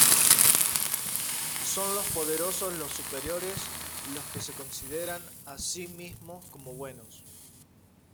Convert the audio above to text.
Son los poderosos, los superiores los que se consideran a sí mismos como buenos.